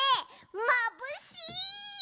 まぶしい！